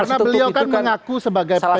karena beliau kan mengaku sebagai penyidik